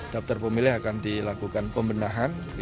daftar pemilih akan dilakukan pembenahan